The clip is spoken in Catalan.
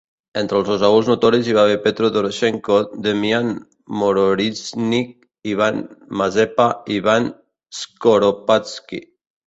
Entre els osauls notoris hi va haver Petro Doroshenko, Demian Mnohohrishny, Ivan Mazepa i Ivan Skoropadsky.